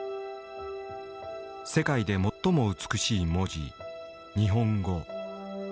世界で最も美しい文字日本語。